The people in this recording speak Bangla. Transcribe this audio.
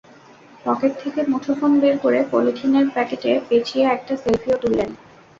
পকেট থেকে মুঠোফোন বের করে পলিথিনের প্যাকেটে পেঁচিয়ে একটা সেলফিও তুললেন।